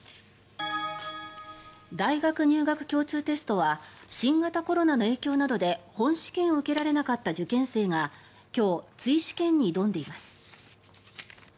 大学入学共通テストは新型コロナの影響などで本試験を受けられなかった受験生が今日、追試験に挑んでいます。